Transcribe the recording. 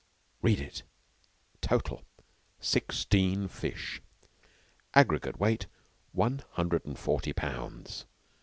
Read it. Total: Sixteen fish; aggregate weight, one hundred and forty pounds.